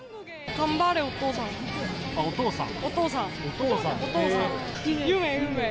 あ、お父さん？